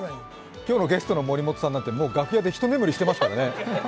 今日のゲストの森本さんなんて、楽屋でひと眠りしていますからね。